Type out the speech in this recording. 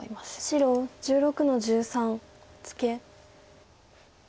白１６の十三ツケ。